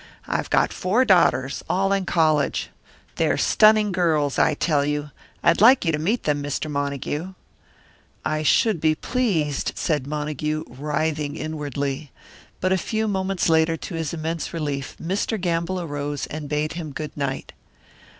"I've got four daughters all in college. They're stunning girls, I tell you I'd like you to meet them, Mr. Montague." "I should be pleased," said Montague, writhing inwardly. But a few minutes later, to his immense relief, Mr. Gamble arose, and bade him good night.